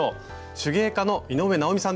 手芸家の井上直美さんです。